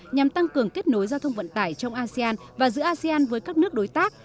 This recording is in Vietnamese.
nhằm tăng cường kết nối giao thông vận tải trong asean và giữa asean với các nước đối tác